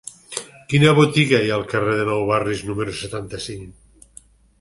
Quina botiga hi ha al carrer dels Nou Barris número setanta-cinc?